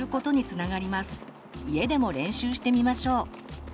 家でも練習してみましょう。